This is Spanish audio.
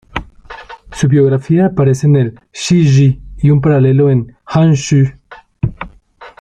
Su biografía aparece en el "Shi Ji", y un paralelo en "Han Shu".